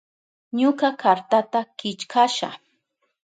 Ñuka kartata killkasha.